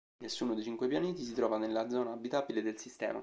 Nessuno dei cinque pianeti si trova nella zona abitabile del sistema.